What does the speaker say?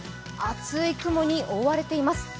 厚い雲に覆われています。